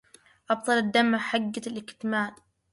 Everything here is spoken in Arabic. أبطل الدمع حجة الكتمان